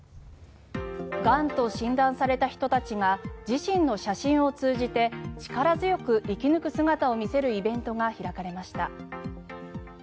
がんと診断された人たちが自身の写真を通じて力強く生き抜く姿を見せるイベントが開かれました。